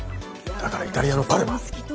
だからイタリアのパルマ。